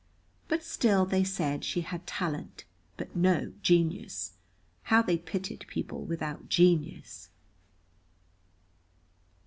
But still, they said, she had talent, but no genius. How they pitied people without genius.